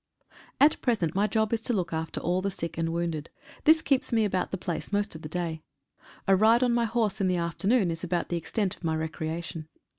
AT present my job is to look after all the sick and wounded. This keeps me about the place most of the day. A ride on my horse in the afternoon is about the extent of my recreation.